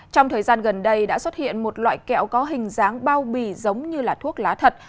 trong thời gian gần đây đã xuất hiện một loại kẹo có hình dáng bao bì giống như thuốc lá thật